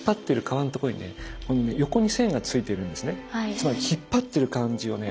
つまり引っ張ってる感じをね